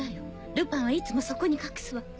ルパンはいつもそこに隠すわ。